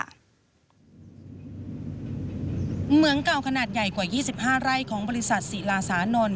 เหมืองเก่าขนาดใหญ่กว่า๒๕ไร่ของบริษัทศิลาสานนท